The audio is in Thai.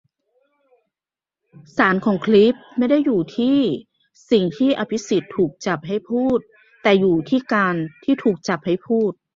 สารของคลิปจึงไม่ได้อยู่ที่'สิ่ง'ที่อภิสิทธิ์ถูกจับให้พูด แต่อยู่ที่'การ'ที่ถูกจับให้พูด